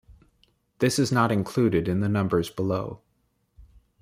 This is not included in the numbers below.